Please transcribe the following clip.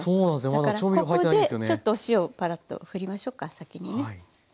だからここでちょっとお塩をパラッとふりましょうか先にね。